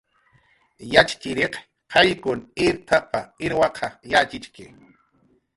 "Yatxchiriq qayllkun irt""p""a, irwaq yatxichki."